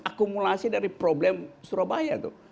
akumulasi dari problem surabaya tuh